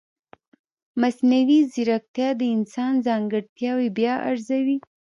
مصنوعي ځیرکتیا د انسان ځانګړتیاوې بیا ارزوي.